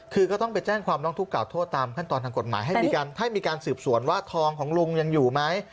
คือก็ต้องไปแจ้งความร้องทุกข่าโทษตามขั้นตอนทางกฎหมายให้มีการให้มีการสืบสวนว่าทองของลุงยังอยู่ไหม